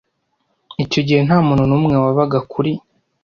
Icyo gihe nta muntu n'umwe wabaga kuri